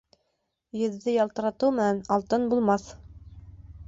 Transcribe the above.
Еҙҙе ялтыратыу менән алтын булмаҫ.